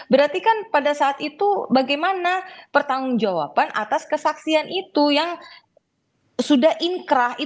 berarti kan pada saat itu bagaimana pertanggung jawaban atas kesaksian itu yang sudah inkrah